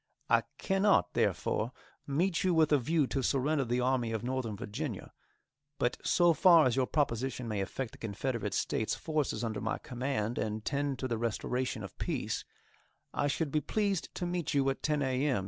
I cannot, therefore, meet you with a view to surrender the Army of Northern Virginia; but so far as your proposition may affect the Confederate States forces under my command and tend to the restoration of peace, I should be pleased to meet you at 10 a. m.